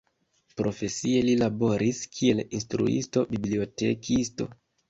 Profesie li laboris kiel instruisto-bibliotekisto.